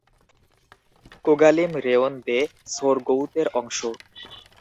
কোগালিম রেয়ন দে সোরগউতের অংশ।